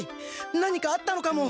何かあったのかも！